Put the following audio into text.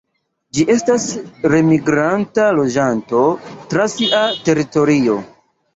Ĝi estas nemigranta loĝanto tra sia teritorio.